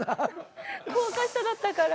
高架下だったから。